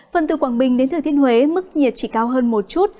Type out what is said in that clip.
phần từ quảng bình đến thừa thiên huế mức nhiệt chỉ cao hơn một chút